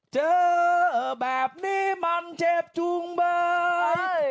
เจอแบบนี้มันเจ็บจูงเบย